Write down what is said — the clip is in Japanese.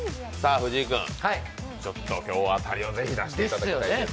藤井君、今日は当たりをぜひ出していただきたいです。